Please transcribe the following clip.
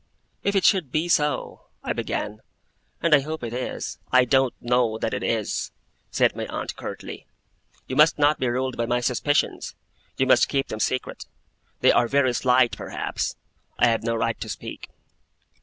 'If it should be so,' I began, 'and I hope it is ' 'I don't know that it is,' said my aunt curtly. 'You must not be ruled by my suspicions. You must keep them secret. They are very slight, perhaps. I have no right to speak.